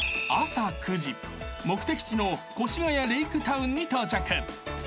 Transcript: ［目的地の越谷レイクタウンに到着］